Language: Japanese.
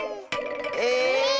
え⁉